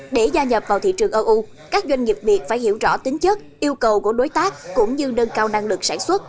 để gia nhập vào thị trường eu các doanh nghiệp việt phải hiểu rõ tính chất yêu cầu của đối tác cũng như nâng cao năng lực sản xuất